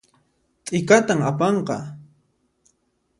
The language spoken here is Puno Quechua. T'ikatan apanqa